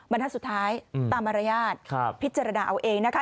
บรรทัศน์สุดท้ายตามมารยาทพิจารณาเอาเองนะคะ